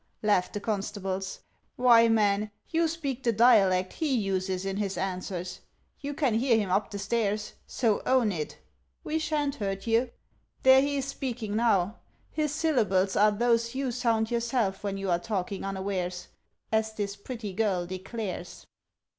laughed the constables. "Why, man, you speak the dialect He uses in his answers; you can hear him up the stairs. So own it. We sha'n't hurt ye. There he's speaking now! His syllables Are those you sound yourself when you are talking unawares, As this pretty girl declares."